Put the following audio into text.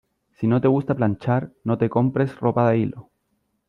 Si no te gusta planchar, no te compres ropa de hilo.